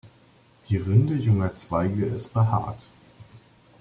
Die Rinde junger Zweige ist behaart.